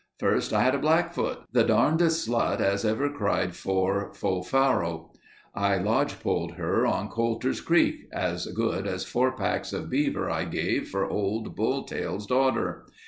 First I had a Blackfoot—the darndest slut as ever cried for fo farrow. I lodge poled her on Coulter's Creek ... as good as four packs of beaver I gave for old Bull tail's daughter.